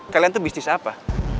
kalian tuh bisnis apa